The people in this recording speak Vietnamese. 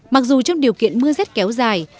mặc dù trong điều kiện mưa rét kéo dài